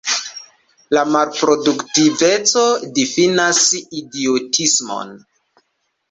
Malproduktiveco difinas idiotismon.